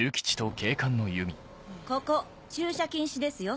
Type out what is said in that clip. ここ駐車禁止ですよ。